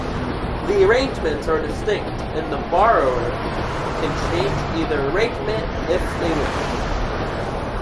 The arrangements are distinct and the borrower can change either arrangement if they wish.